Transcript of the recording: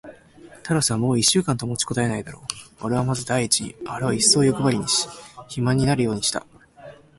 タラスはもう一週間と持ちこたえないだろう。おれはまず第一にあれをいっそうよくばりにし、肥満になるようにした。